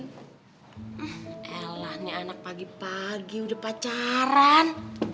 eh elah nih anak pagi pagi udah pacaran